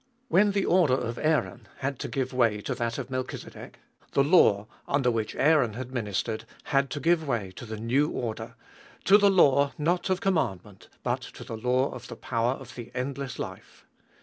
When the order of Aaron had to give way to that of Melchizedek, the law, under which Aaron had ministered, had to give way to the new order, to the law not of commandment, but to the law of the power of the endless life.